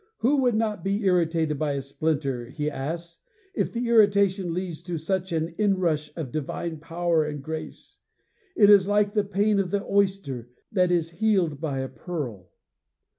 Who would not be irritated by a splinter, he asks, if the irritation leads to such an inrush of divine power and grace? It is like the pain of the oyster that is healed by a pearl.